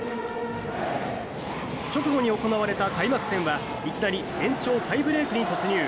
直後に行われた開幕戦はいきなり延長タイブレークに突入。